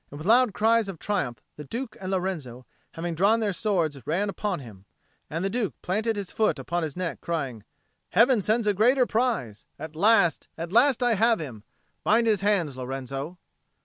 With loud cries of triumph, the Duke and Lorenzo, having drawn their swords, ran upon him; and the Duke planted his foot upon his neck, crying, "Heaven sends a greater prize! At last, at last I have him! Bind his hands, Lorenzo."